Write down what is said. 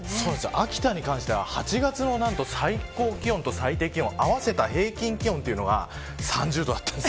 秋田に関しては８月の最高気温と最低気温を合わせた平均気温が３０度でした。